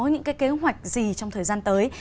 những cái kế hoạch gì trong thời gian tới